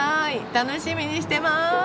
楽しみにしてます。